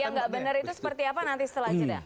yang nggak benar itu seperti apa nanti setelah jeda